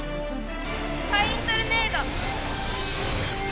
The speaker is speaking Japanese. ファイントルネード！